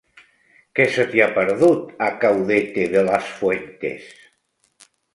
Què se t'hi ha perdut, a Caudete de las Fuentes?